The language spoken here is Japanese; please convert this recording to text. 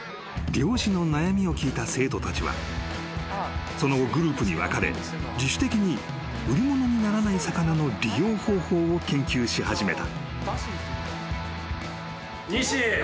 ［漁師の悩みを聞いた生徒たちはその後グループに分かれ自主的に売り物にならない魚の利用方法を研究し始めた］